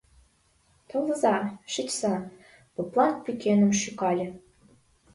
Толза, шичса, — поплан пӱкеным шӱкале.